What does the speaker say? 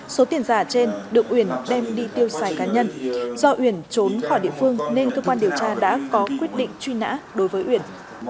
số tiền giả trên được uyển đem đi tiêu xài cá nhân do uyển trốn khỏi địa phương nên cơ quan điều tra đã có quyết định truy nã đối với uyển